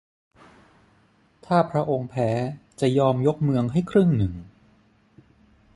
ถ้าพระองค์แพ้จะยอมยกเมืองให้ครึ่งหนึ่ง